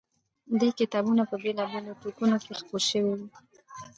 دې کتابونه په بېلا بېلو ټوکونوکې خپور شوی و.